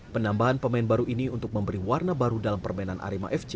penambahan pemain baru ini untuk memberi warna baru dalam permainan arema fc